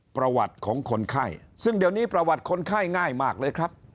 ประวัติของคนไข้ซึ่งเดี๋ยวนี้ประวัติคนไข้ง่ายมากเลยครับ